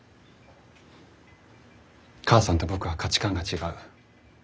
母さんと僕は価値観が違う。